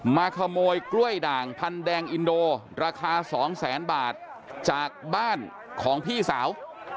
มาขโมยกล้วยด่างพันแดงอินโดราคาสองแสนบาทจากบ้านของพี่สาว